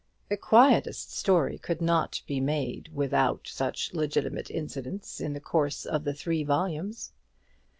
The quietest story could not be made out without such legitimate incidents in the course of the three volumes.